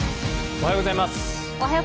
おはようございます。